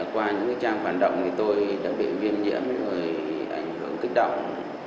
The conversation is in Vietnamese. qua những trang phản động tôi đã bị viêm nhiễm với ảnh hưởng kích động